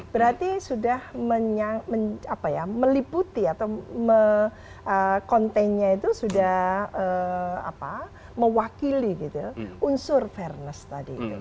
berarti sudah meliputi atau kontennya itu sudah mewakili unsur fairness tadi itu